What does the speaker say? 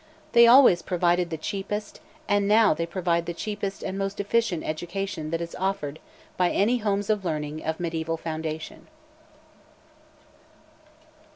They always provided the cheapest, and now they provide the cheapest and most efficient education that is offered by any homes of learning of mediaeval foundation.